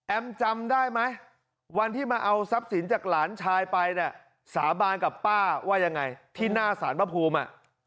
จำได้ไหมวันที่มาเอาทรัพย์สินจากหลานชายไปเนี่ยสาบานกับป้าว่ายังไงที่หน้าสารพระภูมิอ่ะ